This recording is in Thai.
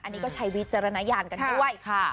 อันนี้ก็ใช้วิจารณญาณกันด้วยค่ะ